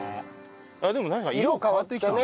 でもなんか色変わってきたね。